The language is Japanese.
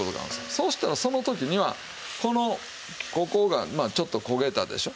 そうしたらその時にはこのここがちょっと焦げたでしょう。